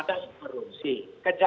kejadian politis psikotisnya ada